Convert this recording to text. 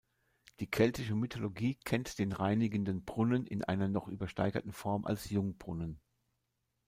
Die keltische Mythologie kennt den reinigenden Brunnen in einer noch übersteigerten Form als Jungbrunnen.